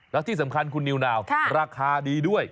แล้วที่สำคัญคุณนิวนาวราคาดีด้วย